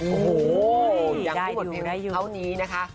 โอ้โหยังไม่หมดเพียงเท่านี้นะคะ